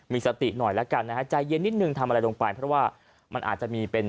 มีสติหน่อยแล้วกันนะฮะใจเย็นนิดนึงทำอะไรลงไปเพราะว่ามันอาจจะมีเป็น